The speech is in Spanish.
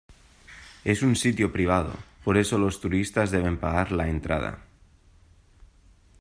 Es un sitio privado por eso los turistas deben pagar la entrada.